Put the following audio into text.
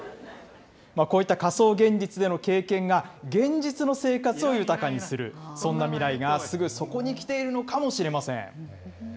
こういった仮想現実での経験が、現実の生活を豊かにする、そんな未来がすぐそこに来ているのかもしれません。